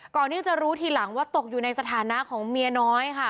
ก่อนที่จะรู้ทีหลังว่าตกอยู่ในสถานะของเมียน้อยค่ะ